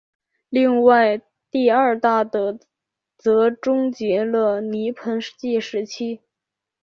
另外第二大的则终结了泥盆纪时期。